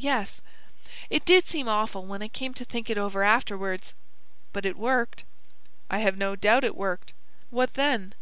"Yes. It did seem awful when I came to think it over afterwards. But it worked." "I have no doubt it worked. What then?"